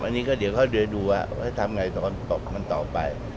อันนี้ก็เดี๋ยวเขาเดี๋ยวดูว่าว่าให้ทำไงต้องตกมันต่อไป